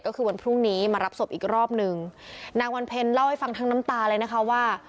ก็คือวันพรุ่งนี้มารับศพอีกรอบหนึ่งนางวันเพ็ญเล่าให้ฟังทั้งน้ำตาเลยนะคะว่า